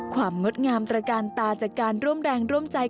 งดงามตระการตาจากการร่วมแรงร่วมใจ